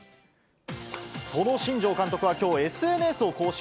その新庄監督はきょう、ＳＮＳを更新。